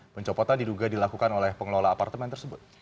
pencopotan diduga dilakukan oleh pengelola apartemen tersebut